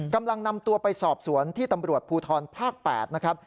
กำลังนำตัวไปสอบสวนที่ตำรวจภูทรภาค๘นะครับ